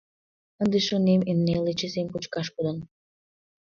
Ынде, шонем, эн неле чесем кочкаш кодын.